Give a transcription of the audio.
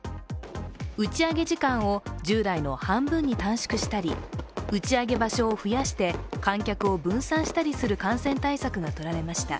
打ち上げ時間を従来の半分に短縮したり、打ち上げ場所を増やして観客を分散したりする感染対策がとられました。